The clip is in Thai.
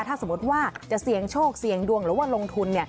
ถ้าสมมติว่าจะเสี่ยงโชคเสี่ยงดวงหรือว่าลงทุน